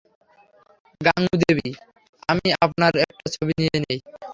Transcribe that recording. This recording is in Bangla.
গাঙুদেবী, আমি আপনার একটা ছবি নিয়ে নেই?